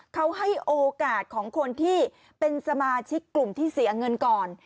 เขาให้โอกาสของคนที่เป็นสมาชิกกลุ่มที่เสียเงินก่อน